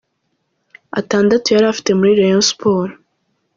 atandatu yari afite muri Rayon Sports.